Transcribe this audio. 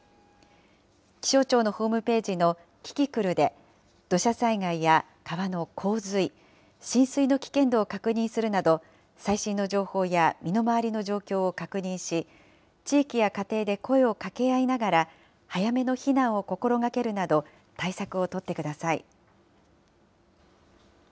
気象庁のホームページのキキクルで、土砂災害や川の洪水、浸水の危険度を確認するなど、最新の情報や身の回りの状況を確認し、地域や家庭で声を掛け合いながら、早めの避難を心がけるなど、対策を取ってください。